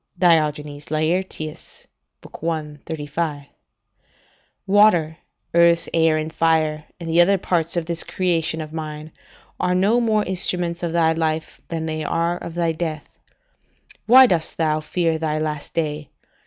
[Diogenes Laertius, i. 35.] Water, earth, air, and fire, and the other parts of this creation of mine, are no more instruments of thy life than they are of thy death. Why dost thou fear thy last day?